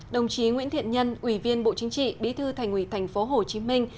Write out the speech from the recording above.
đồng chí nguyễn thiện nhân ủy viên bộ chính trị bí thư thành ủy thành phố hồ chí minh